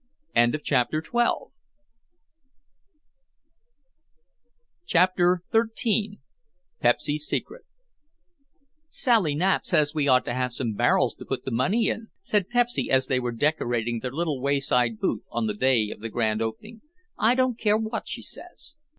CHAPTER XIII PEPSY'S SECRET "Sally Knapp says we ought to have some barrels to put the money in," said Pepsy as they were decorating their little wayside booth on the day of the grand opening. "I don't care what she says."